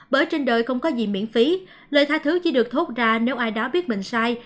bởi trên đời không có gì miễn phí lời tha thứ chỉ được thốt ra nếu ai đó biết mình sai